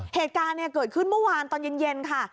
เหตุการณ์เกิดขึ้นเมื่อวานตอนเย็นค่ะ